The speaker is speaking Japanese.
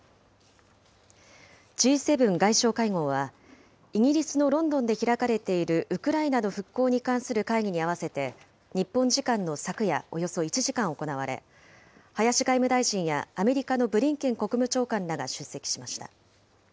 Ｇ７外相会合は、イギリスのロンドンで開かれているウクライナの復興に関する会議に合わせて、日本時間の昨夜、およそ１時間行われ、林外務大臣や、アメリカのブリンケン国務長官らが出席しました。